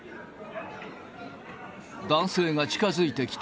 男性が近づいてきた。